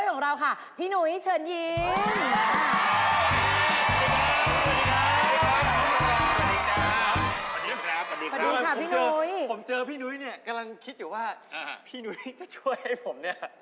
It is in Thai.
เพราะพี่นุ้ยกำลังคิดอยู่ว่าพี่นุ้ยจะช่วยให้ผม